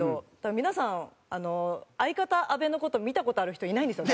皆さん相方安部の事見た事ある人いないんですよ。